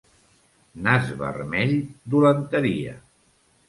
Nas vermell, dolenteria.